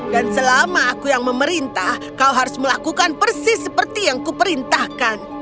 dan selama aku yang memerintah kau harus melakukan persis seperti yang kuperintahkan